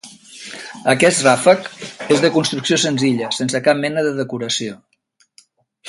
Aquest ràfec és de construcció senzilla sense cap mena de decoració.